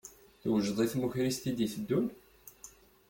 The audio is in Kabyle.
Twejdeḍ i tmukrist i d-iteddun?